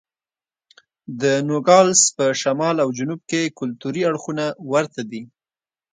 د نوګالس په شمال او جنوب کې کلتوري اړخونه ورته دي.